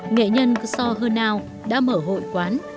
nghệ nhân kso hơ nào đã mở hội quán